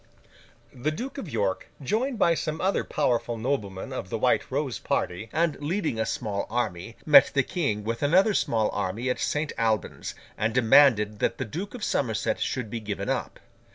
The Duke of York, joined by some other powerful noblemen of the White Rose party, and leading a small army, met the King with another small army at St. Alban's, and demanded that the Duke of Somerset should be given up.